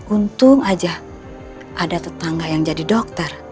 untung aja ada tetangga yang jadi dokter